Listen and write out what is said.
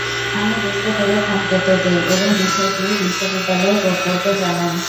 আমি বুঝতে পেরে ফোন কেটে দিই এবং বিষয়টি বিশ্ববিদ্যালয়ের প্রক্টরকে জানাই।